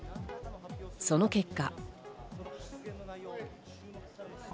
その結果。